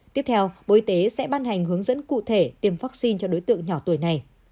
tiếp theo bộ y tế sẽ ban hành hướng dẫn cụ thể tiêm vaccine cho đối tượng nhỏ tuổi này